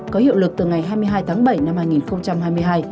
có hiệu lực từ ngày hai mươi hai tháng bảy năm hai nghìn hai mươi hai